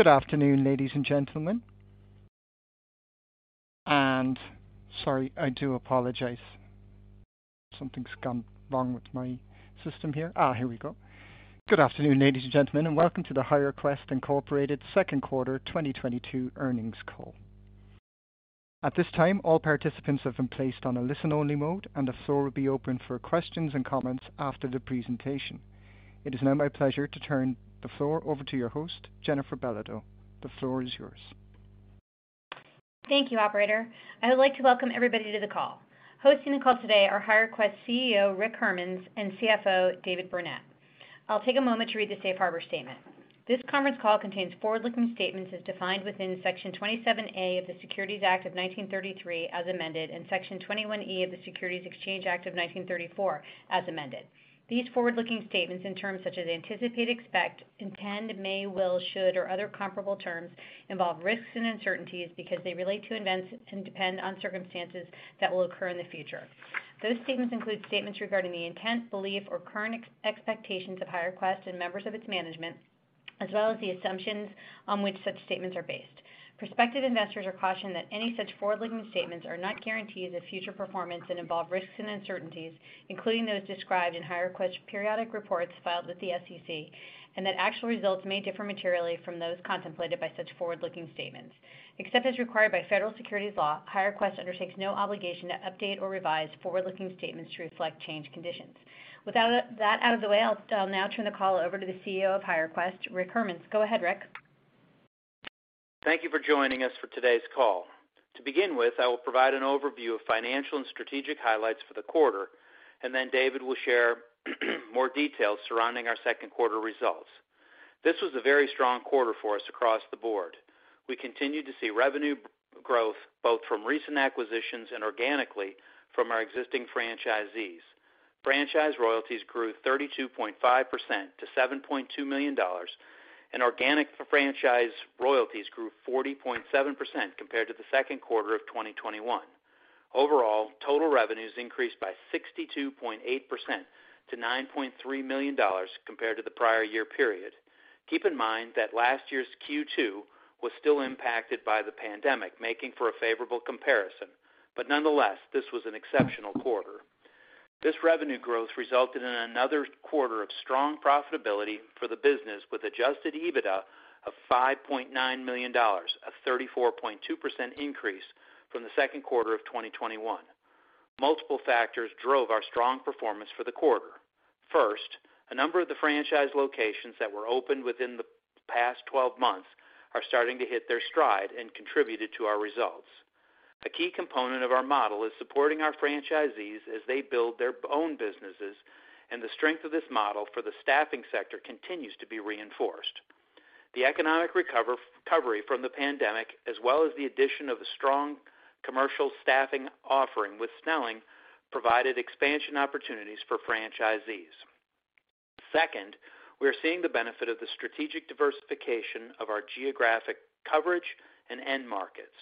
Good afternoon, ladies and gentlemen, and welcome to the HireQuest Inc. Second Quarter 2022 Earnings Call. At this time, all participants have been placed on a listen-only mode, and the floor will be open for questions and comments after the presentation. It is now my pleasure to turn the floor over to your host, Jennifer Belodeau. The floor is yours. Thank you, operator. I would like to welcome everybody to the call. Hosting the call today are HireQuest CEO, Rick Hermanns, and CFO, David Burnett. I'll take a moment to read the safe harbor statement. This conference call contains forward-looking statements as defined within Section 27A of the Securities Act of 1933, as amended, and Section 21E of the Securities Exchange Act of 1934, as amended. These forward-looking statements in terms such as anticipate, expect, intend, may, will, should, or other comparable terms, involve risks and uncertainties because they relate to events and depend on circumstances that will occur in the future. Those statements include statements regarding the intent, belief, or current expectations of HireQuest and members of its management, as well as the assumptions on which such statements are based. Prospective investors are cautioned that any such forward-looking statements are not guarantees of future performance and involve risks and uncertainties, including those described in HireQuest periodic reports filed with the SEC, and that actual results may differ materially from those contemplated by such forward-looking statements. Except as required by Federal securities law, HireQuest undertakes no obligation to update or revise forward-looking statements to reflect changed conditions. Without that out of the way, I'll now turn the call over to the CEO of HireQuest, Rick Hermanns. Go ahead, Rick. Thank you for joining us for today's call. To begin with, I will provide an overview of financial and strategic highlights for the quarter, and then David will share more details surrounding our second-quarter results. This was a very strong quarter for us across the board. We continued to see revenue growth both from recent acquisitions and organically from our existing franchisees. Franchise royalties grew 32.5% to $7.2 million, and organic franchise royalties grew 40.7% compared to the second quarter of 2021. Overall, total revenues increased by 62.8% to $9.3 million compared to the prior year period. Keep in mind that last year's Q2 was still impacted by the pandemic, making for a favorable comparison. Nonetheless, this was an exceptional quarter. This revenue growth resulted in another quarter of strong profitability for the business with adjusted EBITDA of $5.9 million, a 34.2% increase from the second quarter of 2021. Multiple factors drove our strong performance for the quarter. First, a number of the franchise locations that were opened within the past 12 months are starting to hit their stride and contributed to our results. A key component of our model is supporting our franchisees as they build their own businesses, and the strength of this model for the staffing sector continues to be reinforced. The economic recovery from the pandemic, as well as the addition of a strong commercial staffing offering with Snelling, provided expansion opportunities for franchisees. Second, we are seeing the benefit of the strategic diversification of our geographic coverage and end markets.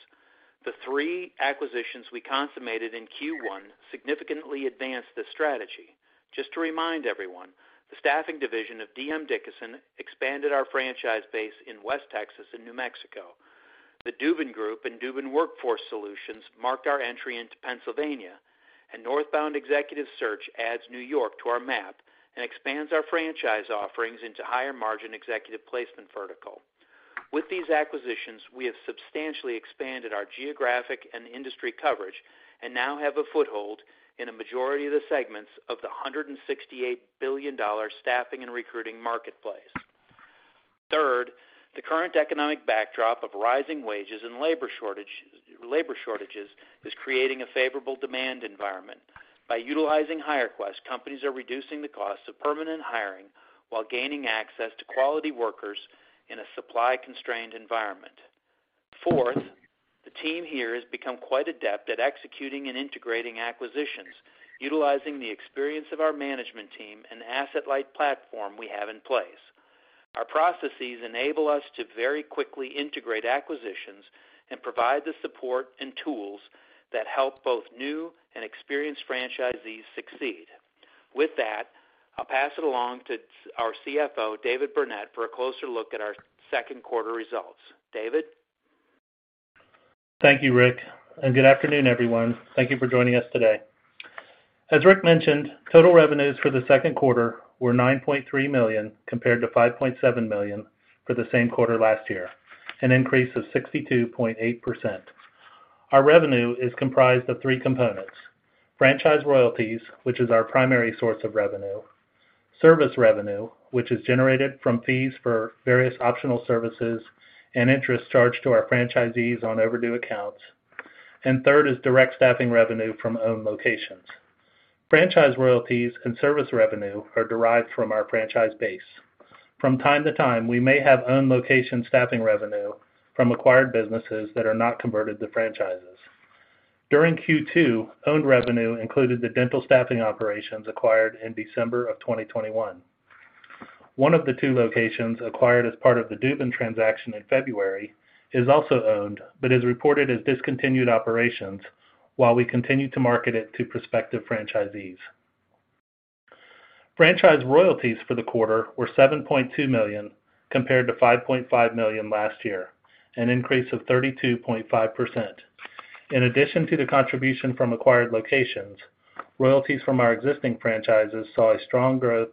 The three acquisitions we consummated in Q1 significantly advanced the strategy. Just to remind everyone, the staffing division of dmDickason expanded our franchise base in West Texas and New Mexico. The Dubin Group and Dubin Workforce Solutions marked our entry into Pennsylvania, and Northbound Executive Search adds New York to our map and expands our franchise offerings into higher-margin executive placement vertical. With these acquisitions, we have substantially expanded our geographic and industry coverage and now have a foothold in a majority of the segments of the $168 billion staffing and recruiting marketplace. Third, the current economic backdrop of rising wages and labor shortages is creating a favorable demand environment. By utilizing HireQuest, companies are reducing the cost of permanent hiring while gaining access to quality workers in a supply-constrained environment. Fourth, the team here has become quite adept at executing and integrating acquisitions, utilizing the experience of our management team and asset-light platform we have in place. Our processes enable us to very quickly integrate acquisitions and provide the support and tools that help both new and experienced franchisees succeed. With that, I'll pass it along to our CFO, David Burnett, for a closer look at our second quarter results. David? Thank you, Rick, and good afternoon, everyone. Thank you for joining us today. As Rick mentioned, total revenues for the second quarter were $9.3 million, compared to $5.7 million for the same quarter last year, an increase of 62.8%. Our revenue is comprised of three components, franchise royalties, which is our primary source of revenue, service revenue, which is generated from fees for various optional services and interest charged to our franchisees on overdue accounts, and third is direct staffing revenue from owned locations. Franchise royalties and service revenue are derived from our franchise base. From time to time, we may have owned location staffing revenue from acquired businesses that are not converted to franchises. During Q2, owned revenue included the dental staffing operations acquired in December 2021. One of the two locations acquired as part of the Dubin transaction in February is also owned but is reported as discontinued operations while we continue to market it to prospective franchisees. Franchise royalties for the quarter were $7.2 million compared to $5.5 million last year, an increase of 32.5%. In addition to the contribution from acquired locations, royalties from our existing franchises saw a strong growth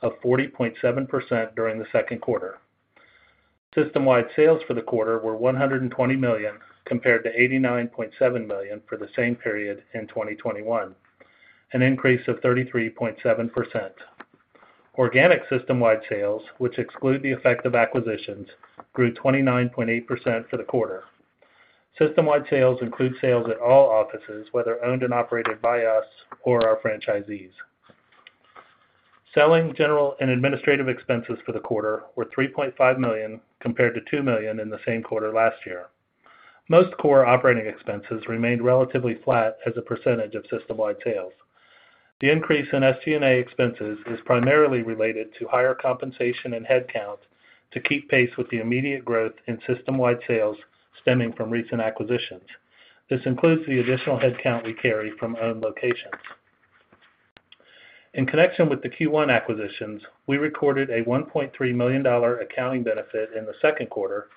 of 40.7% during the second quarter. System-wide sales for the quarter were $120 million compared to $89.7 million for the same period in 2021, an increase of 33.7%. Organic system-wide sales, which exclude the effect of acquisitions, grew 29.8% for the quarter. System-wide sales include sales at all offices, whether owned and operated by us or our franchisees. Selling, general, and administrative expenses for the quarter were $3.5 million compared to $2 million in the same quarter last year. Most core operating expenses remained relatively flat as a percentage of system-wide sales. The increase in SG&A expenses is primarily related to higher compensation and headcount to keep pace with the immediate growth in system-wide sales stemming from recent acquisitions. This includes the additional headcount we carry from owned locations. In connection with the Q1 acquisitions, we recorded a $1.3 million accounting benefit in the second quarter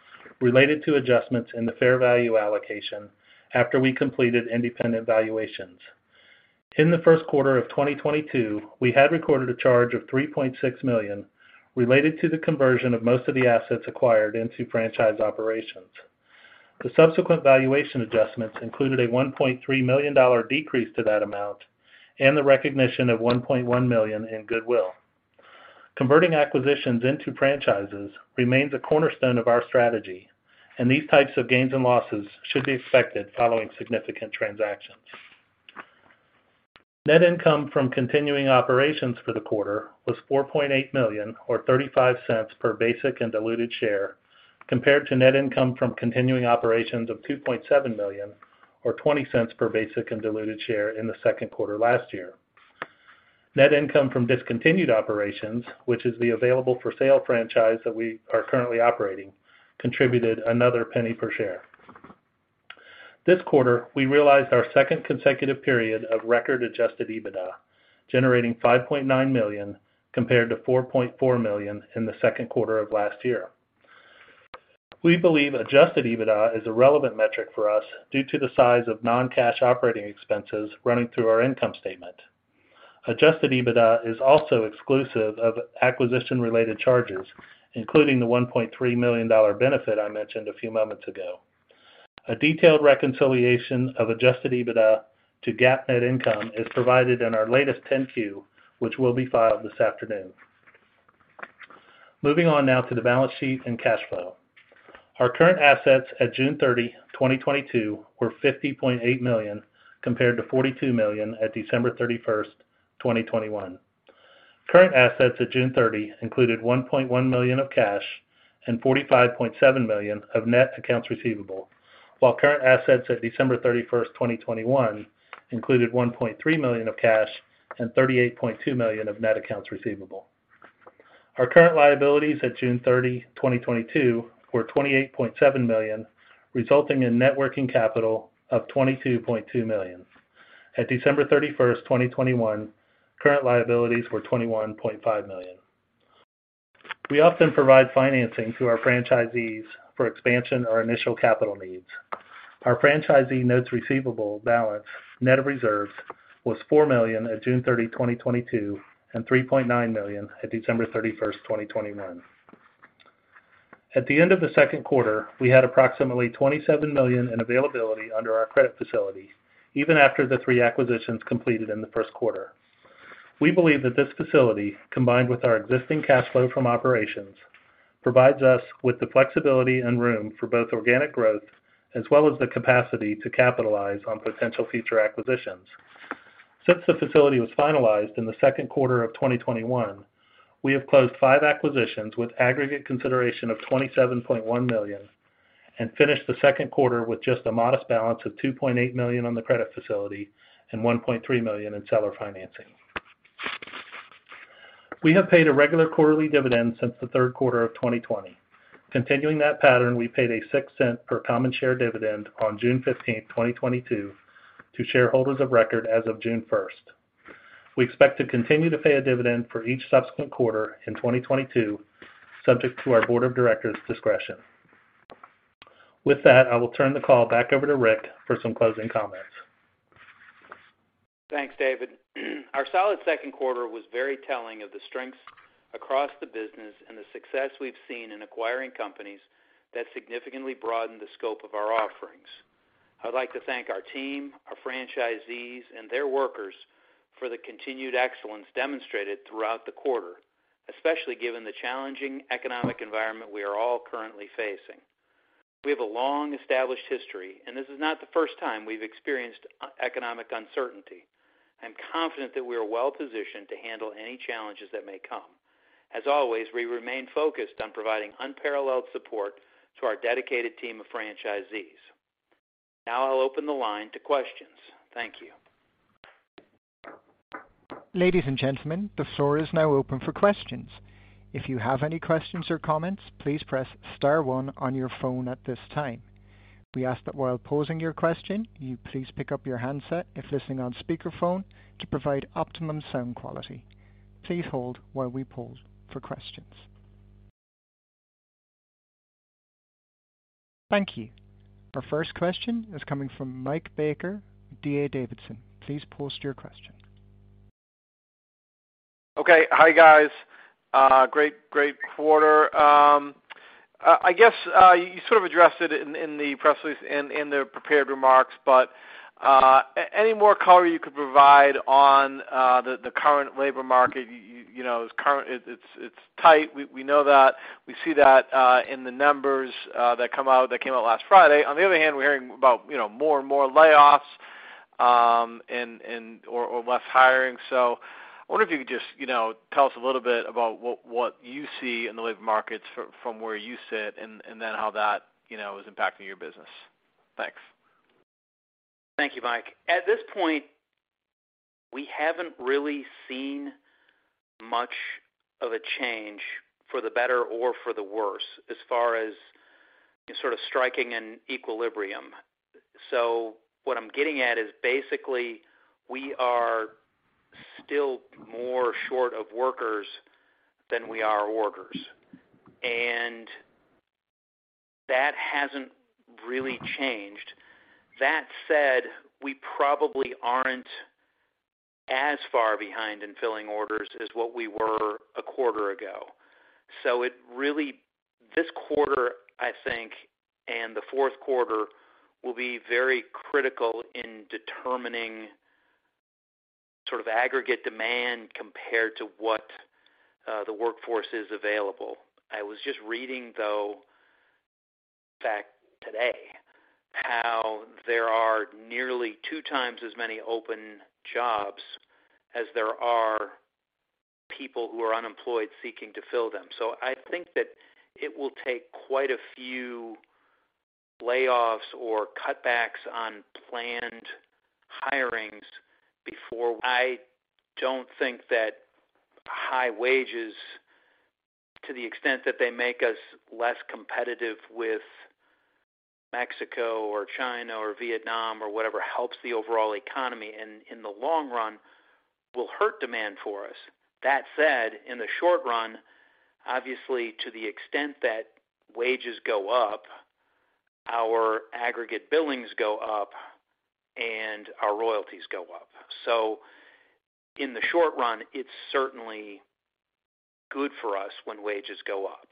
related to adjustments in the fair value allocation after we completed independent valuations. In the first quarter of 2022, we had recorded a charge of $3.6 million related to the conversion of most of the assets acquired into franchise operations. The subsequent valuation adjustments included a $1.3 million decrease to that amount and the recognition of $1.1 million in goodwill. Converting acquisitions into franchises remains a cornerstone of our strategy, and these types of gains and losses should be expected following significant transactions. Net income from continuing operations for the quarter was $4.8 million or $0.35 per basic and diluted share compared to net income from continuing operations of $2.7 million or $0.20 per basic and diluted share in the second quarter last year. Net income from discontinued operations, which is the available-for-sale franchise that we are currently operating, contributed another $0.01 per share. This quarter, we realized our second consecutive period of record adjusted EBITDA, generating $5.9 million compared to $4.4 million in the second quarter of last year. We believe adjusted EBITDA is a relevant metric for us due to the size of non-cash operating expenses running through our income statement. Adjusted EBITDA is also exclusive of acquisition-related charges, including the $1.3 million benefit I mentioned a few moments ago. A detailed reconciliation of adjusted EBITDA to GAAP net income is provided in our latest 10-Q, which will be filed this afternoon. Moving on now to the balance sheet and cash flow. Our current assets at June 30, 2022 were $50.8 million, compared to $42 million at December 31st, 2021. Current assets at June 30 included $1.1 million of cash and $45.7 million of net accounts receivable, while current assets at December 31st, 2021 included $1.3 million of cash and $38.2 million of net accounts receivable. Our current liabilities at June 30, 2022 were $28.7 million, resulting in net working capital of $22.2 million. At December 31st, 2021, current liabilities were $21.5 million. We often provide financing to our franchisees for expansion or initial capital needs. Our franchisee notes receivable balance net of reserves was $4 million at June 30, 2022 and $3.9 million at December 31st, 2021. At the end of the second quarter, we had approximately $27 million in availability under our credit facility, even after the three acquisitions completed in the first quarter. We believe that this facility, combined with our existing cash flow from operations, provides us with the flexibility and room for both organic growth as well as the capacity to capitalize on potential future acquisitions. Since the facility was finalized in the second quarter of 2021, we have closed five acquisitions with aggregate consideration of $27.1 million and finished the second quarter with just a modest balance of $2.8 million on the credit facility and $1.3 million in seller financing. We have paid a regular quarterly dividend since the third quarter of 2020. Continuing that pattern, we paid a $0.06 per common share dividend on June 15th, 2022 to shareholders of record as of June first. We expect to continue to pay a dividend for each subsequent quarter in 2022, subject to our board of directors' discretion. With that, I will turn the call back over to Rick for some closing comments. Thanks, David. Our solid second quarter was very telling of the strengths across the business and the success we've seen in acquiring companies that significantly broaden the scope of our offerings. I'd like to thank our team, our franchisees, and their workers for the continued excellence demonstrated throughout the quarter, especially given the challenging economic environment we are all currently facing. We have a long-established history, and this is not the first time we've experienced economic uncertainty. I'm confident that we are well-positioned to handle any challenges that may come. As always, we remain focused on providing unparalleled support to our dedicated team of franchisees. Now I'll open the line to questions. Thank you. Ladies and gentlemen, the floor is now open for questions. If you have any questions or comments, please press star one on your phone at this time. We ask that while posing your question, you please pick up your handset if listening on speakerphone to provide optimum sound quality. Please hold while we pause for questions. Thank you. Our first question is coming from Mike Baker, D.A. Davidson. Please pose your question. Okay. Hi, guys. Great quarter. I guess you sort of addressed it in the press release in the prepared remarks, but any more color you could provide on the current labor market. You know, it's tight. We know that. We see that in the numbers that came out last Friday. On the other hand, we're hearing about, you know, more and more layoffs, or less hiring. I wonder if you could just, you know, tell us a little bit about what you see in the labor markets from where you sit and then how that, you know, is impacting your business. Thanks. Thank you, Mike. At this point, we haven't really seen much of a change for the better or for the worse as far as sort of striking an equilibrium. What I'm getting at is basically we are still more short of workers than we are orders, and that hasn't really changed. That said, we probably aren't as far behind in filling orders as what we were a quarter ago. This quarter, I think, and the fourth quarter will be very critical in determining sort of aggregate demand compared to what the workforce is available. I was just reading, though, in fact, today, how there are nearly 2x as many open jobs as there are people who are unemployed seeking to fill them. I think that it will take quite a few layoffs or cutbacks on planned hirings before. I don't think that high wages, to the extent that they make us less competitive with Mexico or China or Vietnam or whatever, helps the overall economy in the long run, will hurt demand for us. That said, in the short run, obviously, to the extent that wages go up, our aggregate billings go up, and our royalties go up. In the short run, it's certainly good for us when wages go up.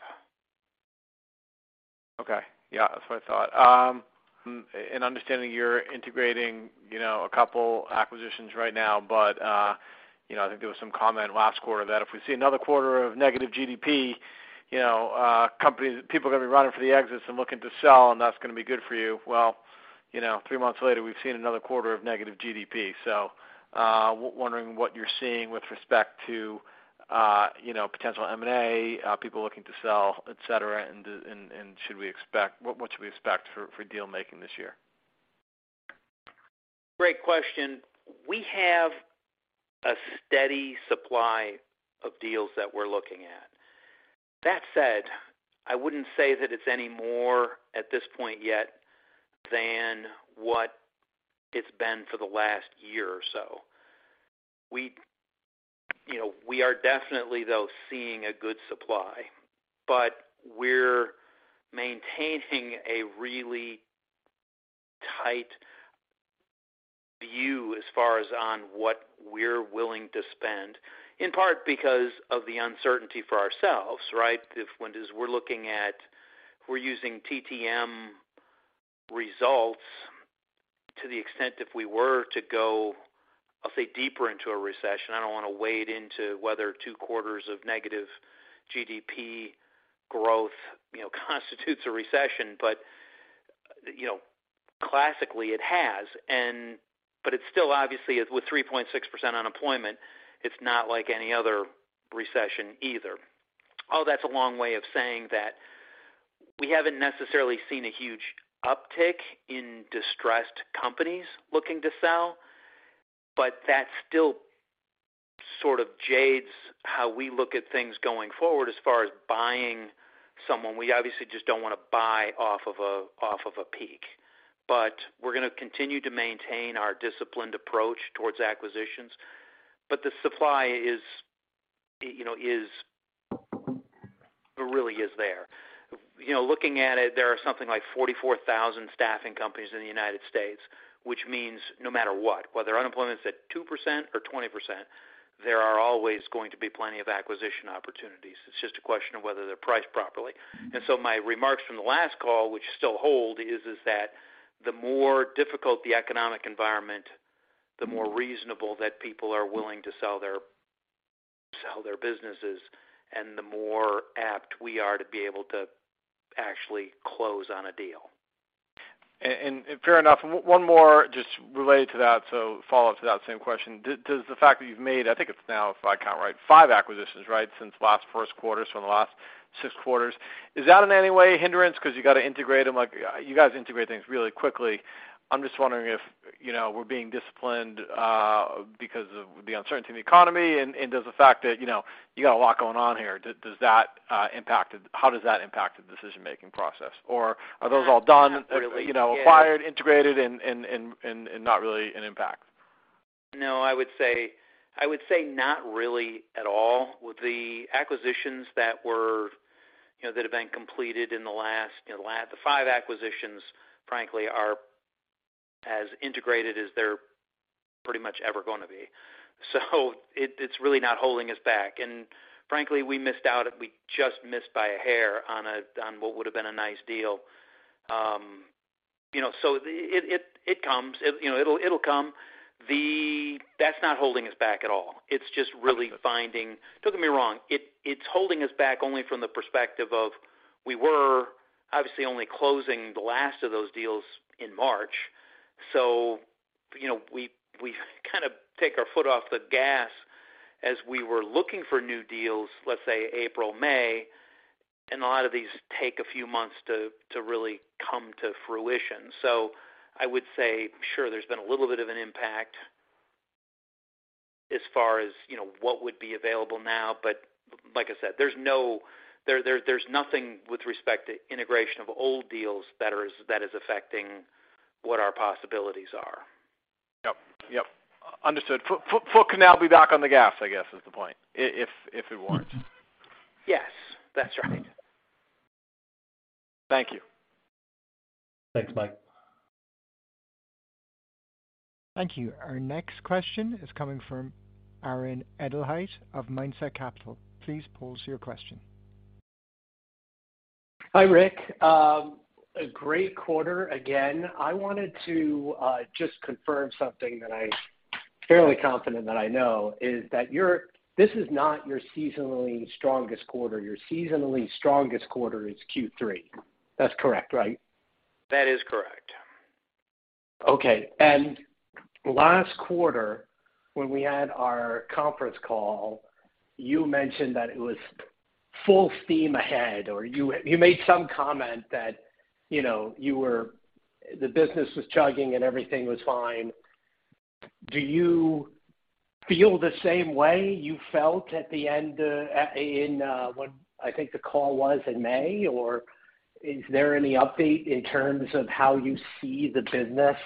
Okay. Yeah, that's what I thought. Understanding you're integrating, you know, a couple acquisitions right now, but, you know, I think there was some comment last quarter that if we see another quarter of negative GDP, you know, companies, people are gonna be running for the exits and looking to sell, and that's gonna be good for you. Well, you know, three months later, we've seen another quarter of negative GDP. Wondering what you're seeing with respect to, you know, potential M&A, people looking to sell, et cetera. And should we expect what we should expect for deal-making this year? Great question. We have a steady supply of deals that we're looking at. That said, I wouldn't say that it's any more at this point yet than what it's been for the last year or so. We, you know, we are definitely, though, seeing a good supply, but we're maintaining a really tight view as far as on what we're willing to spend, in part because of the uncertainty for ourselves, right? We're using TTM results to the extent if we were to go, I'll say, deeper into a recession, I don't wanna wade into whether two quarters of negative GDP growth, you know, constitutes a recession. You know, classically it has but it's still obviously with 3.6% unemployment, it's not like any other recession either. All that's a long way of saying that we haven't necessarily seen a huge uptick in distressed companies looking to sell, but that still sort of jades how we look at things going forward. As far as buying someone, we obviously just don't wanna buy off of a peak. We're gonna continue to maintain our disciplined approach towards acquisitions. The supply is, you know, really there. You know, looking at it, there are something like 44,000 staffing companies in the United States, which means no matter what, whether unemployment's at 2% or 20%, there are always going to be plenty of acquisition opportunities. It's just a question of whether they're priced properly. My remarks from the last call, which still hold, is that the more difficult the economic environment, the more reasonable that people are willing to sell their businesses, and the more apt we are to be able to actually close on a deal. Fair enough. One more just related to that, follow-up to that same question. Does the fact that you've made, I think it's now, if I count right, five acquisitions, right? Since last first quarter, in the last six quarters. Is that in any way a hindrance because you got to integrate them? Like, you guys integrate things really quickly. I'm just wondering if, you know, we're being disciplined because of the uncertainty in the economy and does the fact that, you know, you got a lot going on here, does that impact it? How does that impact the decision-making process? Or are those all done, you know, acquired, integrated and not really an impact? No, I would say not really at all. With the acquisitions, you know, that have been completed in the last, you know, the five acquisitions, frankly, are as integrated as they're pretty much ever gonna be. It's really not holding us back. Frankly, we missed out. We just missed by a hair on what would have been a nice deal. You know, so it comes, you know, it'll come. That's not holding us back at all. Don't get me wrong, it's holding us back only from the perspective of we were obviously only closing the last of those deals in March. You know, we kind of take our foot off the gas as we were looking for new deals, let's say April, May, and a lot of these take a few months to really come to fruition. I would say, sure, there's been a little bit of an impact as far as, you know, what would be available now. Like I said, there's nothing with respect to integration of old deals that is affecting what our possibilities are. Yep. Understood. Foot can now be back on the gas, I guess, is the point. If it weren't. Yes, that's right. Thank you. Thanks, Mike. Thank you. Our next question is coming from Aaron Edelheit of Mindset Capital. Please pose your question. Hi, Rick. A great quarter again. I wanted to just confirm something that I'm fairly confident that I know, is that this is not your seasonally strongest quarter. Your seasonally strongest quarter is Q3. That's correct, right? That is correct. Okay. Last quarter when we had our conference call, you mentioned that it was full steam ahead, or you made some comment that, you know, the business was chugging and everything was fine. Do you feel the same way you felt at the end, in what I think the call was in May, or is there any update in terms of how you see the business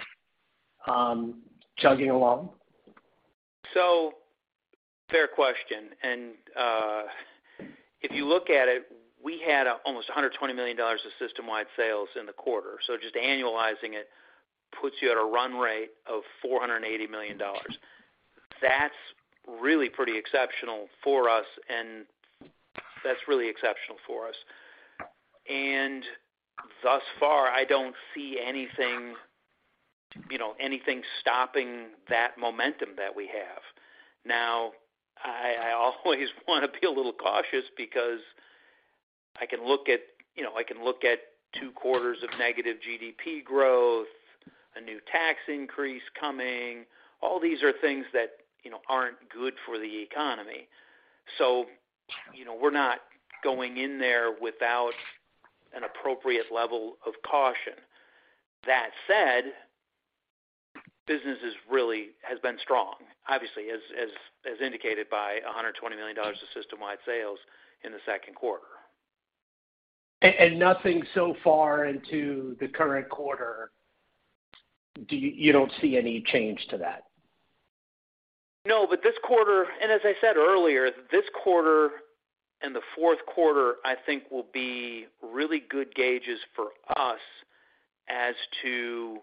chugging along? Fair question. If you look at it, we had almost $120 million of system-wide sales in the quarter. Just annualizing it puts you at a run rate of $480 million. That's really pretty exceptional for us. Thus far, I don't see anything, you know, stopping that momentum that we have. Now, I always want to be a little cautious because I can look at, you know, two quarters of negative GDP growth, a new tax increase coming. All these are things that, you know, aren't good for the economy. You know, we're not going in there without an appropriate level of caution. That said, business is really, has been strong, obviously, as indicated by $120 million of system-wide sales in the second quarter. Nothing so far into the current quarter. You don't see any change to that? No, this quarter, and as I said earlier, this quarter and the fourth quarter I think will be really good gauges for us as to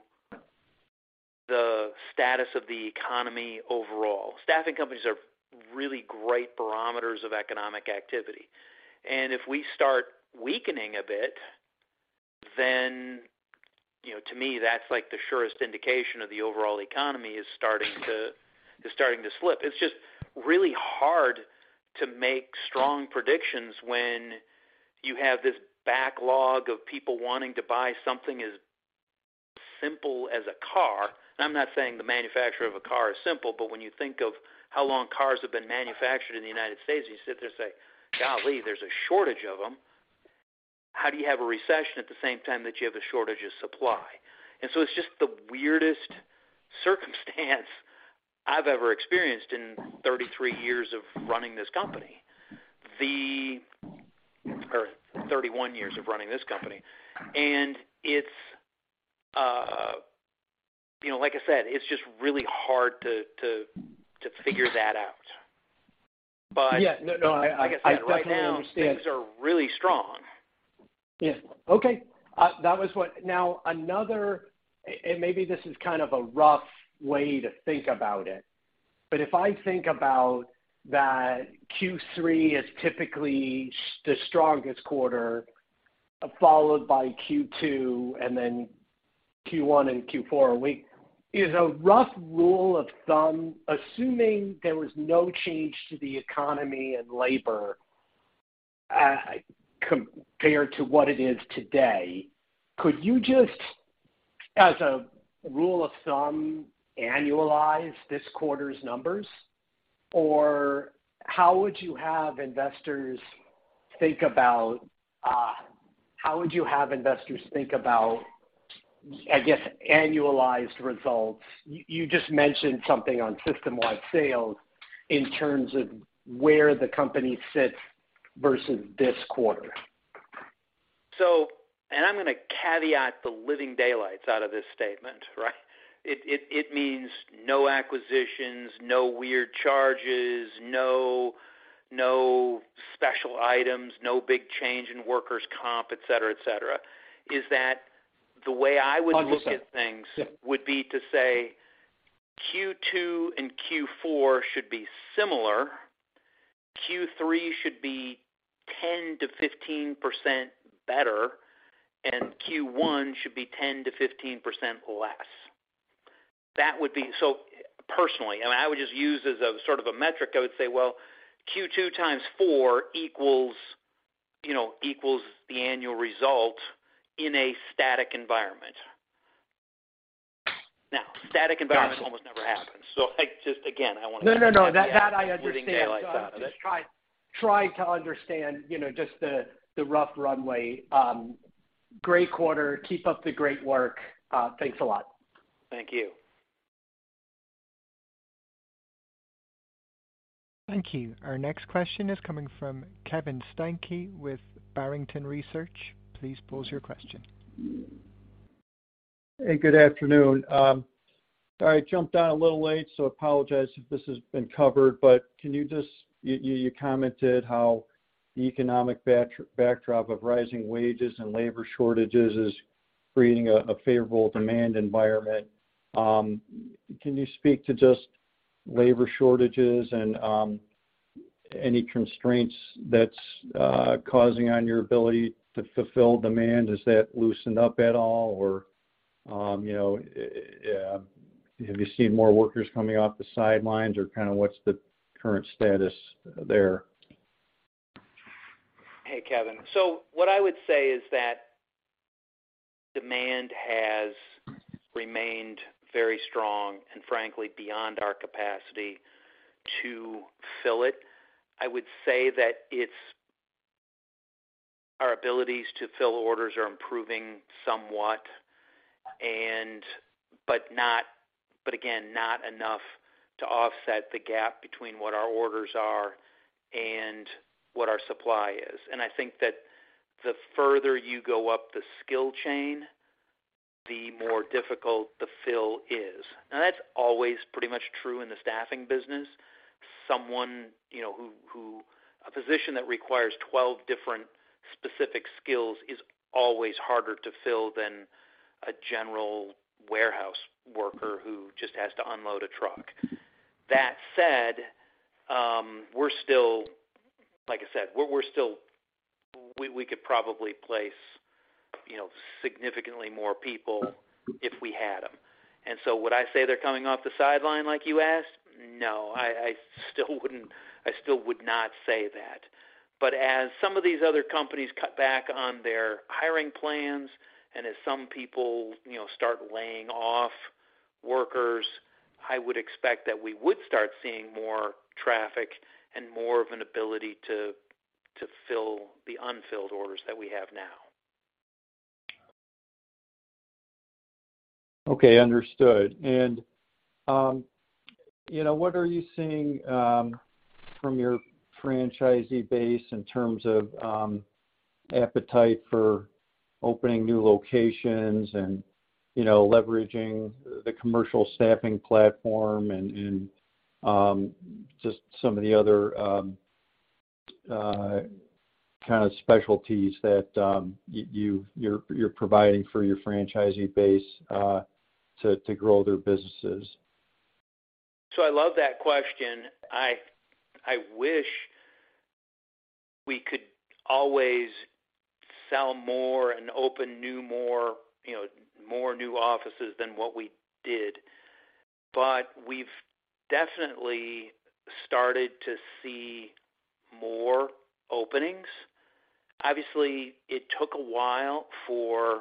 the status of the economy overall. Staffing companies are really great barometers of economic activity. If we start weakening a bit, then, you know, to me, that's like the surest indication of the overall economy is starting to slip. It's just really hard to make strong predictions when you have this backlog of people wanting to buy something as simple as a car. I'm not saying the manufacturer of a car is simple, but when you think of how long cars have been manufactured in the United States, you sit there and say, "Golly, there's a shortage of them. How do you have a recession at the same time that you have a shortage of supply? It's just the weirdest circumstance I've ever experienced in 33 years, or 31 years, of running this company. It's, you know, like I said, it's just really hard to figure that out. Yeah. No, no, I definitely understand. Like I said, right now, things are really strong. Yeah. Okay. Maybe this is kind of a rough way to think about it, but if I think about that Q3 is typically the strongest quarter followed by Q2 and then Q1 and Q4 are weak. It's a rough rule of thumb, assuming there was no change to the economy and labor compared to what it is today, could you just. As a rule of thumb, annualize this quarter's numbers, or how would you have investors think about, I guess, annualized results? You just mentioned something on system-wide sales in terms of where the company sits versus this quarter. I'm gonna caveat the living daylights out of this statement, right? It means no acquisitions, no weird charges, no special items, no big change in workers' comp, et cetera. Is that the way I would look at things? Yeah would be to say Q2 and Q4 should be similar, Q3 should be 10%-15% better, and Q1 should be 10%-15% less. That would be. Personally, I mean, I would just use as a sort of a metric, I would say, well, Q2 times four equals, you know, equals the annual result in a static environment. Now, static environment almost never happens. I just, again, I wanna- No, no. That I understand. living daylights out of it. Just try to understand, you know, just the rough runway. Great quarter. Keep up the great work. Thanks a lot. Thank you. Thank you. Our next question is coming from Kevin Steinke with Barrington Research. Please pose your question. Hey, good afternoon. I jumped on a little late, so I apologize if this has been covered. You commented how the economic backdrop of rising wages and labor shortages is creating a favorable demand environment. Can you speak to just labor shortages and any constraints that's causing on your ability to fulfill demand? Has that loosened up at all or you know have you seen more workers coming off the sidelines or kinda what's the current status there? Hey, Kevin. What I would say is that demand has remained very strong and frankly beyond our capacity to fill it. I would say that it's our abilities to fill orders are improving somewhat, but not enough to offset the gap between what our orders are and what our supply is. I think that the further you go up the skill chain, the more difficult the fill is. Now, that's always pretty much true in the staffing business. A position that requires 12 different specific skills is always harder to fill than a general warehouse worker who just has to unload a truck. That said, like I said, we're still, we could probably place, you know, significantly more people if we had them. Would I say they're coming off the sideline like you asked? No. I still would not say that. As some of these other companies cut back on their hiring plans and as some people, you know, start laying off workers, I would expect that we would start seeing more traffic and more of an ability to fill the unfilled orders that we have now. Okay. Understood. You know, what are you seeing from your franchisee base in terms of appetite for opening new locations and, you know, leveraging the commercial staffing platform and kinda specialties that you're providing for your franchisee base to grow their businesses? I love that question. I wish we could always sell more and open more new offices than what we did. But we've definitely started to see more openings. Obviously, it took a while for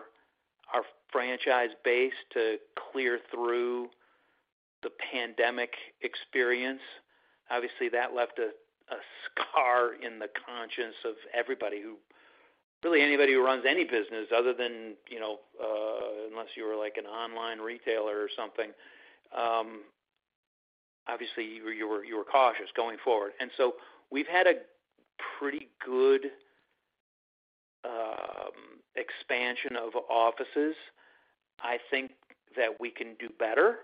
our franchise base to clear through the pandemic experience. Obviously, that left a scar in the consciousness of anybody who runs any business other than, you know, unless you were like an online retailer or something, obviously, you were cautious going forward. We've had a pretty good expansion of offices. I think that we can do better.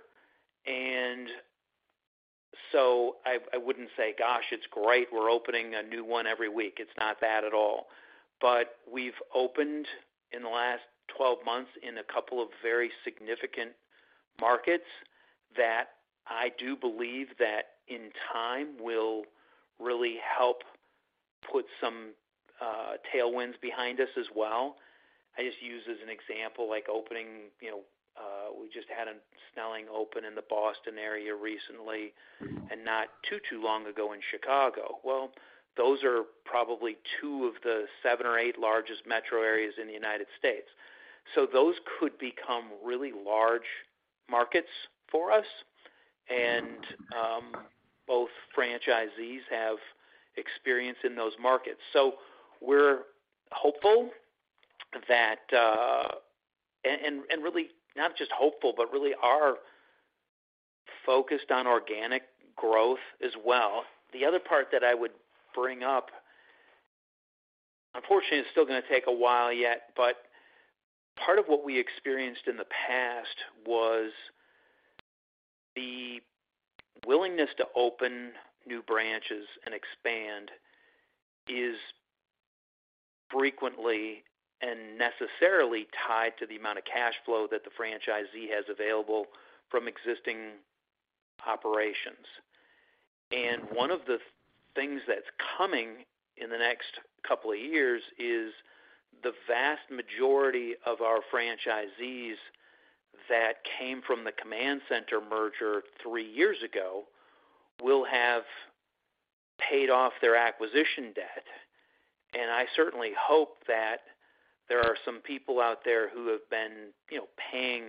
I wouldn't say, "Gosh, it's great. We're opening a new one every week." It's not that at all. We've opened in the last 12 months in a couple of very significant markets that I do believe that in time will really help put some tailwinds behind us as well. I just use as an example. We just had a Snelling open in the Boston area recently, and not too long ago in Chicago. Well, those are probably two of the seven or eight largest metro areas in the United States. Those could become really large markets for us, and both franchisees have experience in those markets. We're hopeful that, and really not just hopeful, but really are focused on organic growth as well. The other part that I would bring up, unfortunately, it's still gonna take a while yet, but part of what we experienced in the past was the willingness to open new branches and expand is frequently and necessarily tied to the amount of cash flow that the franchisee has available from existing operations. One of the things that's coming in the next couple of years is the vast majority of our franchisees that came from the Command Center merger three years ago will have paid off their acquisition debt. I certainly hope that there are some people out there who have been, you know, paying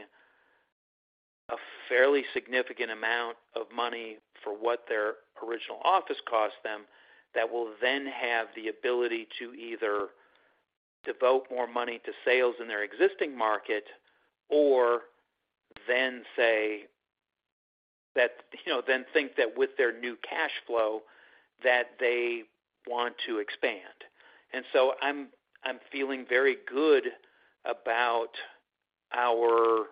a fairly significant amount of money for what their original office cost them that will then have the ability to either devote more money to sales in their existing market or then say that, you know, then think that with their new cash flow that they want to expand. I'm feeling very good about our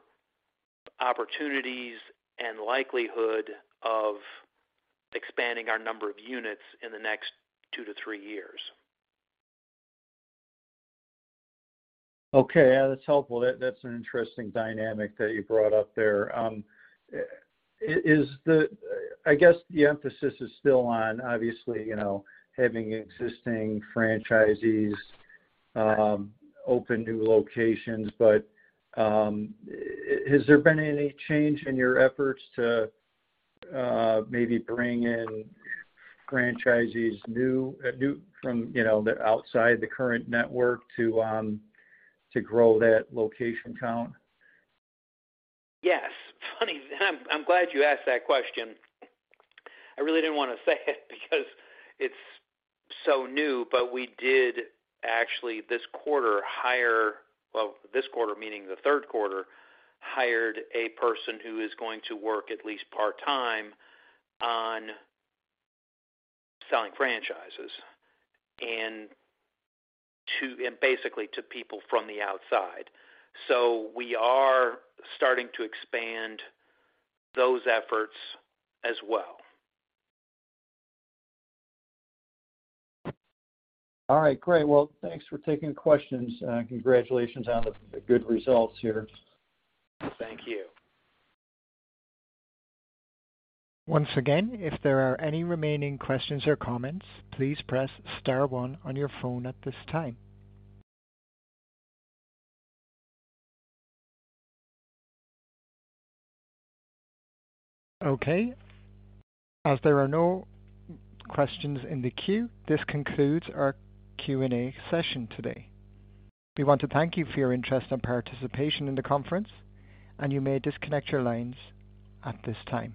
opportunities and likelihood of expanding our number of units in the next two to three years. Okay. Yeah, that's helpful. That's an interesting dynamic that you brought up there. Is, I guess, the emphasis still on, obviously, you know, having existing franchisees open new locations? Has there been any change in your efforts to maybe bring in new franchisees from, you know, the outside of the current network to grow that location count? Yes. Funny, I'm glad you asked that question. I really didn't wanna say it because it's so new, but we did actually this quarter, well, this quarter, meaning the third quarter, hired a person who is going to work at least part-time on selling franchises and basically to people from the outside. We are starting to expand those efforts as well. All right, great. Well, thanks for taking the questions. Congratulations on the good results here. Thank you. Once again, if there are any remaining questions or comments, please press star one on your phone at this time. Okay. As there are no questions in the queue, this concludes our Q&A session today. We want to thank you for your interest and participation in the conference, and you may disconnect your lines at this time.